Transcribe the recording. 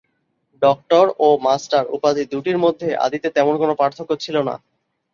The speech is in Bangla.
ডক্টর ও মাস্টার উপাধি দুইটির মধ্যে আদিতে তেমন কোনও পার্থক্য ছিল না।